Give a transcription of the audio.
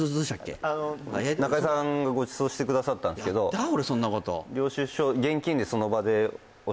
中居さんがご馳走してくださったんですけどやった？